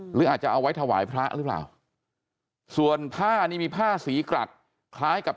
หรืออาจจะเอาไว้ถวายพระหรือเปล่าส่วนผ้านี่มีผ้าสีกรักคล้ายกับ